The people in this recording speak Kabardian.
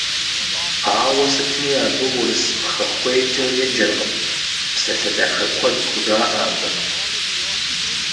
Ауэ сытми абы урыс пхъэхуейкӀэ еджэркъым, псалъэ дахэ куэд хужаӀэ абы.